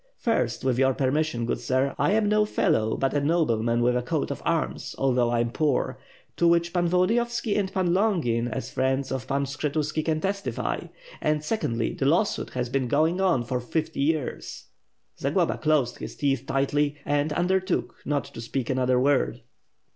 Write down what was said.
"First, with your permission, good sir, I am no fellow; but a nobleman with a coat of arms, although I am poor; to which Pan Volodiyovski and Pan Longin, as friends of Pan Skshetuski, can testify. And, secondly, the lawsuit has been going on for fifty years. .." Zagloba closed his teeth tightly and undertook not to speak another word.